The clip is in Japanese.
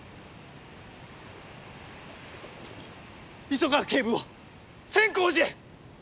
磯川警部を千光寺へ！